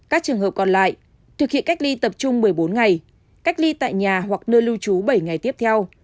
các trường hợp còn lại thực hiện cách ly tập trung một mươi bốn ngày cách ly tại nhà hoặc nơi lưu trú bảy ngày tiếp theo